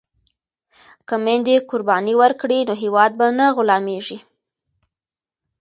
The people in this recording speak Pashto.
که میندې قرباني ورکړي نو هیواد به نه غلامیږي.